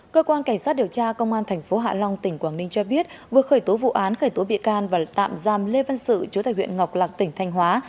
cơ quan cảnh sát điều tra công an tp hạ long tỉnh quảng ninh cho biết vừa khởi tố vụ án khởi tố bị can và tạm giam lê văn sự chủ tài huyện ngọc lạc tỉnh thanh hóa